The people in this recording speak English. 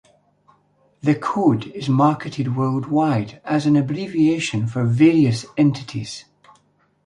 The code is marketed worldwide as an abbreviation for various entities.